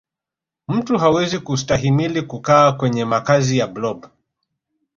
mtu hawezi kustahimili kukaa kwenye makazi ya blob